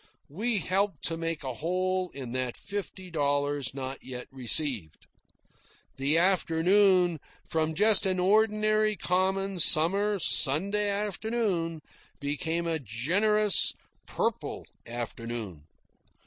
We helped to make a hole in that fifty dollars not yet received. The afternoon, from just an ordinary common summer Sunday afternoon, became a gorgeous, purple afternoon.